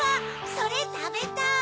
それたべたい！